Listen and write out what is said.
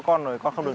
cái này bao nhiêu tiền